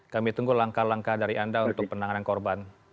kami tunggu langkah langkah dari anda untuk penanganan korban